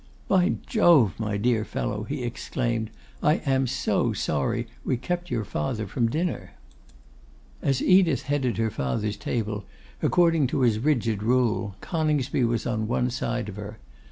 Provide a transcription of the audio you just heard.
'By Jove! my dear fellow,' he exclaimed, 'I am so sorry we kept your father from dinner.' As Edith headed her father's table, according to his rigid rule, Coningsby was on one side of her.